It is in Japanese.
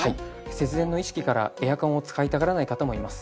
節電の意識からエアコンを使いたがらない方もいます。